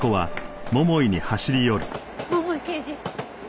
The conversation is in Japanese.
桃井刑事？